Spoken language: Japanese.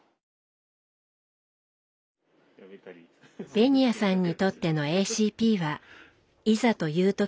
紅谷さんにとってのＡＣＰはいざという時